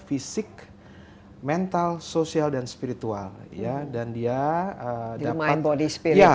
visi dan sehingga dia bisa berpikir bahwa dia bisa berpikir bahwa dia bisa berpikir bahwa dia bisa berpikir bahwa dia bisa berpikir bahwa dia bisa berpikir bahwa